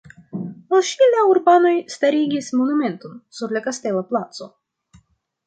Al ŝi la urbanoj starigis monumenton sur la kastela placo.